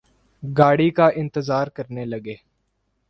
گاڑی کا انتظار کرنے لگے